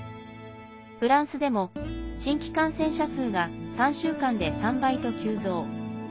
フランスでも、新規感染者数が３週間で３倍と急増。